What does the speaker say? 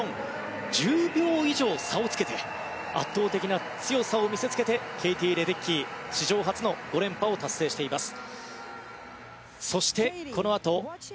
１０秒以上差をつけて圧倒的な強さを見せつけてケイティ・レデッキー、史上初の５連覇を達成しています。